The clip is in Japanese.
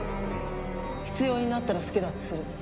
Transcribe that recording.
必要になったら助太刀する。